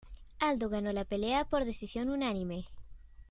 Aldo ganó la pelea por decisión unánime.